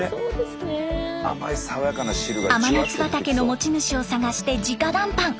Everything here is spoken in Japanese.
甘夏畑の持ち主を探してじか談判。